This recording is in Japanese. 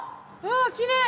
わきれい！